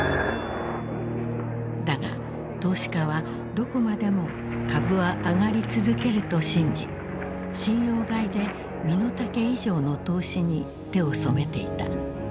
☎だが投資家はどこまでも株は上がり続けると信じ信用買いで身の丈以上の投資に手を染めていた。